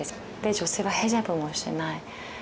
女性はヘジャブもしてない。